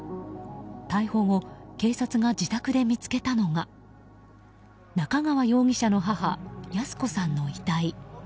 逮捕後警察が自宅で見つけたのが中川容疑者の母・裕子さんの遺体。